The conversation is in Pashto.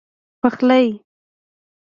پخلی